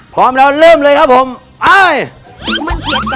พร้อมแล้วเริ่มเลยครับผม